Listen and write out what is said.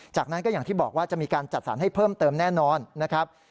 จากนั้นก็อย่างที่บอกว่าจะมีการจัดสรรให้เพิ่มเติมแน่นอนนะครับ